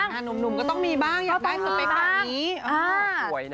หนุ่มก็ต้องมีบ้างอยากได้สเปคแบบนี้